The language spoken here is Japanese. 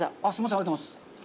ありがとうございます。